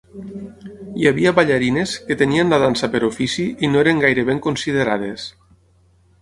Hi havia ballarines que tenien la dansa per ofici i no eren gaire ben considerades.